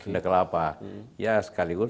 di kelapa ya sekaligus